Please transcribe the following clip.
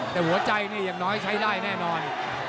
แต่หัวใจนี่อย่างน้อยใช้ได้แน่นอน